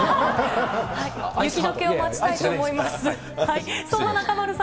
雪どけを待ちたいと思います。